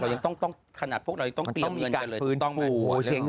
เรายังต้องขนาดพวกเรายังต้องเตรียมเงินกันเลยต้องมีการฟื้นถูก